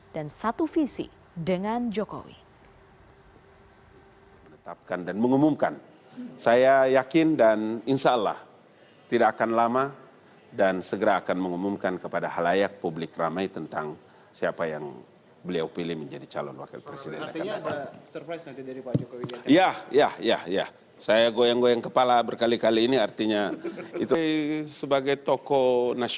dan satu visi dengan jokowi